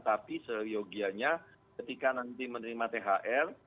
tapi seyogianya ketika nanti menerima thr